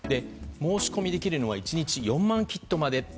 申し込みできるのは１日４万キットまで。